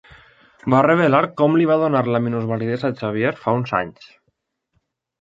Va revelar com li va donar la minusvalidesa a Xavier fa uns anys.